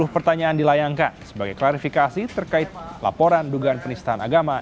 sepuluh pertanyaan dilayangkan sebagai klarifikasi terkait laporan dugaan penistaan agama